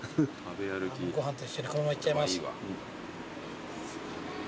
ご飯と一緒にこのままいっちゃいます。